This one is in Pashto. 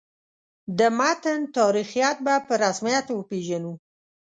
د متن تاریخیت به په رسمیت وپېژنو.